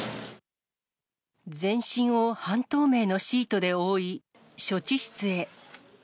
全身を半透明のシートで覆い、処置室へ。